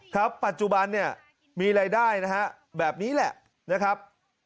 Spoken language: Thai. ครับปัจจุบันเนี่ยมีรายได้นะฮะแบบนี้แหละนะครับ